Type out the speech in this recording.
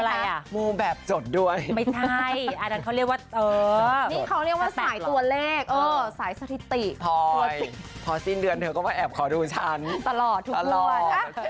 วันนี้ใส่สีชมพูไงฮะก็คือโชคดี